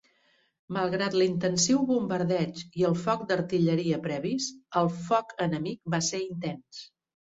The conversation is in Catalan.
Malgrat l'intensiu bombardeig i el foc d'artilleria previs, el foc enemic va ser intens.